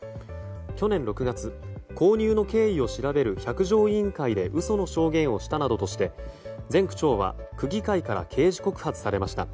去年６月、購入の経緯を調べる百条委員会で嘘の証言をしたなどとして前区長は区議会から刑事告発されました。